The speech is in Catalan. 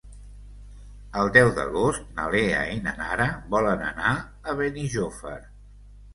El deu d'agost na Lea i na Nara volen anar a Benijòfar.